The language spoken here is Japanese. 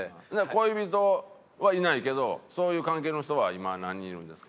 恋人はいないけどそういう関係の人は今何人いるんですか？